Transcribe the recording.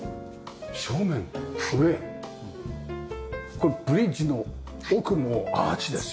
これブリッジの奥もアーチですよね？